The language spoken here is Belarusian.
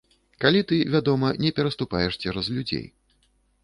Калі ты, вядома, не пераступаеш цераз людзей.